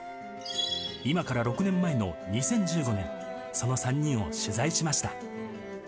今から６年前の２０１５年、その３人を取材しました。